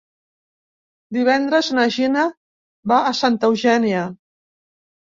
Divendres na Gina va a Santa Eugènia.